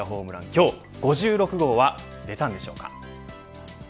今日、５６号は出たんでしょうか。